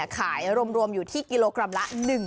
ก็มาลงอยู่ทีกิโลกรัมละ